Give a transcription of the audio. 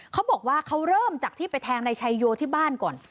เขาบอกว่าเขาเริ่มจากที่ไปแทงนายชัยโยที่บ้านก่อน